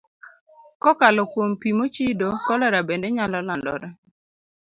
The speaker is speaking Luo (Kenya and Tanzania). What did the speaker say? Kokalo kuom pi mochido, kolera bende nyalo landore.